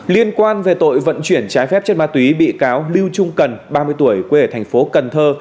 liên quan về tội vận chuyển trái phép chất ma túy bị cáo lưu trung cần ba mươi tuổi quê ở thành phố cần thơ